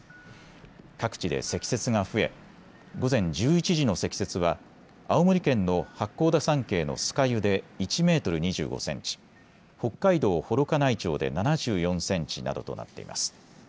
各地で積雪が増え午前１１時の積雪は青森県の八甲田山系の酸ヶ湯で１メートル２５センチ、北海道幌加内町で７４センチなどとなっています。